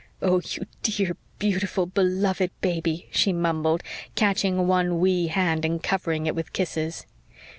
"Oh, you dear, beautiful, beloved baby," she mumbled, catching one wee hand and covering it with kisses.